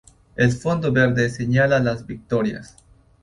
El fondo verde señala las victorias.